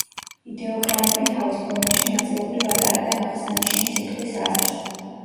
იდეოგრამები თავის ფორმაში ნაწილობრივ ატარებენ აღსანიშნი სიტყვის აზრს.